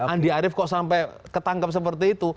andi arief kok sampai ketangkep seperti itu